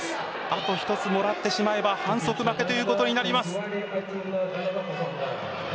あと１つもらってしまえば反則負けということになります。